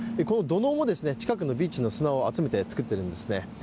この土のうも近くのビーチの砂を集めて作っているんですね。